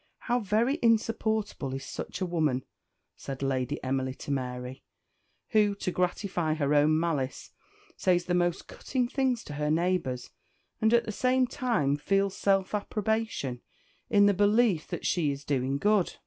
"How very insupportable is such a woman," said Lady Emily to Mary, "who, to gratify her own malice, says the most cutting things to her neighbours, and at the same time feels self approbation, in the belief that she is doing good.